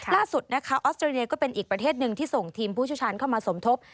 ล่าสุดนะคะออสเตรเลียก็เป็นอีกประเทศหนึ่งที่ส่งทีมผู้เชี่ยวชาญเข้ามาสมทบ